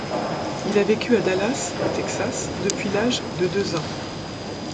Il a vécu à Dallas, au Texas, depuis l'âge de deux ans.